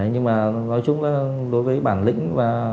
nhưng mà nói chung là đối với bản lĩnh và